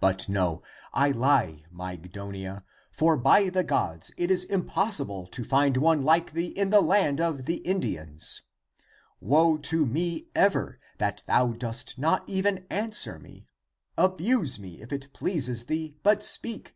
But no, I lie, Mygdonia. For by the gods it is imposible to find one like thee in the land of the Indians. Woe to me ever, that thou dost not even answer me! Abuse me, if it pleases thee, but speak.